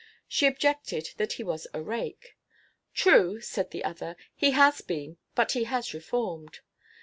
She objected that he was a rake. "True," said the other, "he has been, but he has reformed."